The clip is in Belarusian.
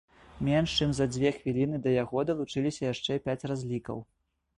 Менш чым за дзве хвіліны да яго далучыліся яшчэ пяць разлікаў.